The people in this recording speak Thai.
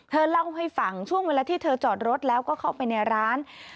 เธอเล่าให้ฟังช่วงเวลาที่เธอจอดรถแล้วก็เข้าไปในร้าน